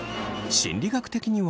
心理学的には。